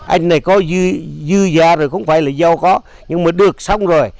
anh này có dư gia rồi không phải là dâu có nhưng mà được xong rồi